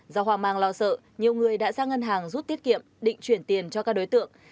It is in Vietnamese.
do hoàng mang lo sợ nhiều người đã sang ngân hàng rút tiết kiệm định chuyển tiền cho các đối tượng